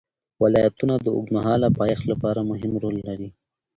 ولایتونه د اوږدمهاله پایښت لپاره مهم رول لري.